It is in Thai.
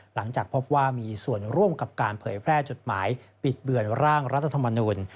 หลังจากพบว่ามีส่วนร่วมกับการเผยแพร่จดหมายปิดเบือนร่างรัฐธรรมนูล